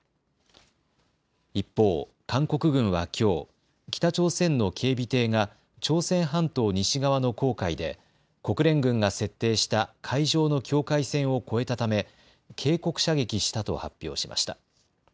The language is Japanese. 一方、韓国軍はきょう北朝鮮の警備艇が朝鮮半島西側の黄海で国連軍が設定した海上の境界線を越えたため警告射撃したと発表しました。